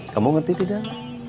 kamu ngerti tidak